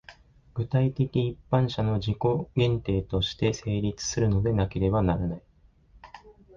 具体的一般者の自己限定として成立するのでなければならない。